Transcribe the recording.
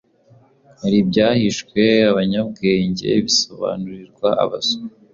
Hari ibyahishwe abanyabwenge bisobanurirwa abaswa